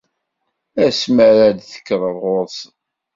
Asmi ara d-tekkreḍ ɣur-sen.